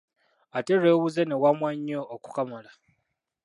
Ate lw’ebuze n’ewammwa nnyo okukamala.